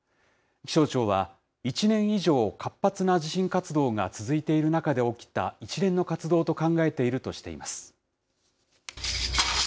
気象庁は、１年以上、活発な地震活動が続いている中で起きた一連の活動と考えているとしています。